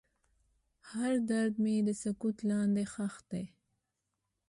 هر درد مې د سکوت لاندې ښخ دی.